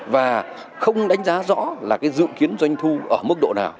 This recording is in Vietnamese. và không đánh giá rõ là cái dự kiến doanh thu ở mức độ nào